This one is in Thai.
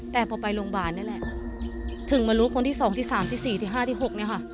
แต่พอไปโรงพยาบาลนี่แหละถึงมารู้คนที่๒ที่๓ที่๔ที่๕ที่๖เนี่ยค่ะ